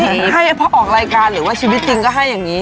ให้พอออกรายการหรือว่าชีวิตจริงก็ให้อย่างนี้